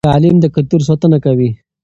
تعلیم د کلتور ساتنه کوي.